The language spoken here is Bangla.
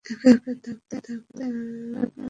এক-একা থাকতে আপনার খারাপ লাগে না?